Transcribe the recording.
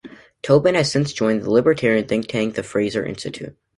Tobin has since joined the libertarian think-tank the Fraser Institute.